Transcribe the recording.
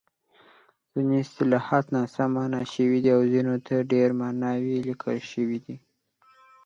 ځیني اصطلاحات ناسم مانا شوي دي او ځینو ته ډېرې ماناوې لیکل شوې دي.